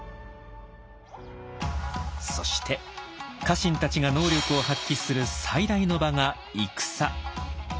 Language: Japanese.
そして家臣たちが能力を発揮する最大の場が戦。